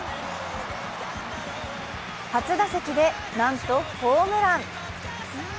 初打席でなんと、ホームラン。